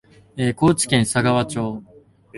高知県佐川町